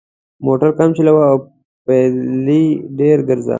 موټر کم چلوه او پلي ډېر ګرځه.